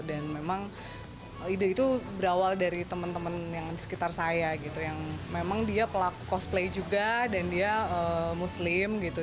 dan memang ide itu berawal dari teman teman yang di sekitar saya gitu yang memang dia pelaku cosplay juga dan dia muslim gitu